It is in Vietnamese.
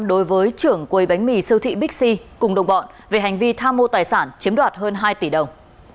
đối với trưởng quầy bánh mì siêu thị bixi cùng đồng bọn về hành vi tham mô tài sản chiếm đoạt hơn hai tỷ đồng